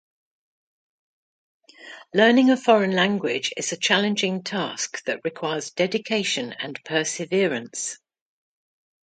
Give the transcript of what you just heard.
Learning a foreign language is a challenging task that requires dedication and perseverance.